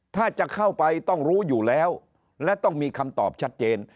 ถ้าจะเข้าไปต้องรู้อยู่แล้วและต้องมีคำตอบชัดเจน